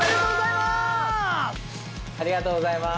ありがとうございます。